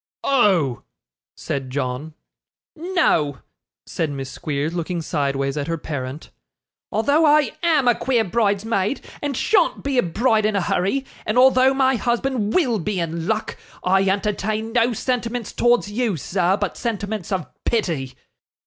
'Oh!' said John. 'No,' said Miss Squeers, looking sideways at her parent, 'although I AM a queer bridesmaid, and SHAN'T be a bride in a hurry, and although my husband WILL be in luck, I entertain no sentiments towards you, sir, but sentiments of pity.